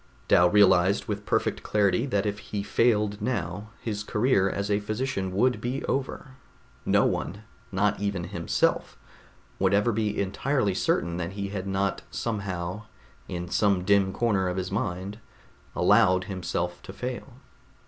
Dal realized with perfect clarity that if he failed now, his career as a physician would be over; no one, not even himself, would ever be entirely certain that he had not somehow, in some dim corner of his mind, allowed himself to fail.